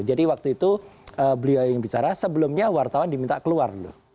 jadi waktu itu beliau yang bicara sebelumnya wartawan diminta keluar dulu